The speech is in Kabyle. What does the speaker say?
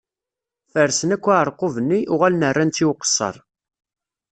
Fersen akk aɛerqub-nni, uɣalen rran-tt i uqeṣṣer.